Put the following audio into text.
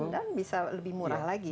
dan bisa lebih murah lagi